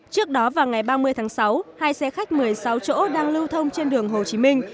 trước đó vào ngày ba mươi tháng sáu hai xe khách một mươi sáu chỗ đang lưu thông trên đường hồ chí minh